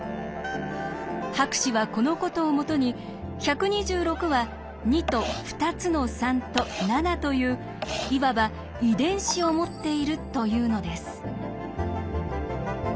博士はこのことをもとに１２６は２と２つの３と７といういわば「遺伝子」を持っているというのです。